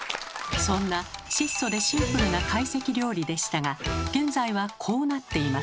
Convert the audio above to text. そんな質素でシンプルな懐石料理でしたが現在はこうなっています。